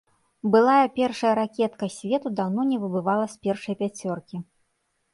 Былая першая ракетка свету даўно не выбывала з першай пяцёркі.